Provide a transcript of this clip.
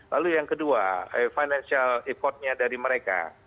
lalu yang kedua financial support nya dari mereka